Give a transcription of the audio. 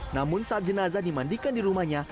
namun saat jenazah dimandikan di rumahnya